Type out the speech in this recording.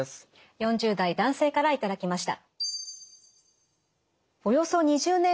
４０代男性から頂きました。